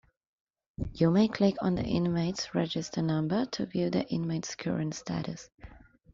You may click on the inmate's Register Number to view the inmate's current status.